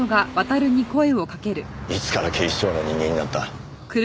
いつから警視庁の人間になった？